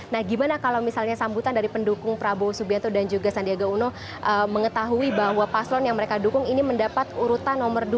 nah gimana kalau misalnya sambutan dari pendukung prabowo subianto dan juga sandiaga uno mengetahui bahwa paslon yang mereka dukung ini mendapat urutan nomor dua